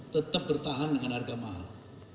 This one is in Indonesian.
tetap bertahan dengan harga mahal